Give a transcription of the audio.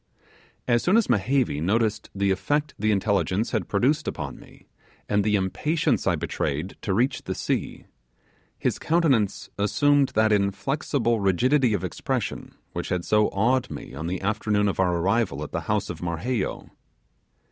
As soon as Mehevi noticed the effect the intelligence had produced upon me, and the impatience I betrayed to reach the sea, his countenance assumed that inflexible rigidity of expression which had so awed me on the afternoon of our arrival at the house of Marheyo.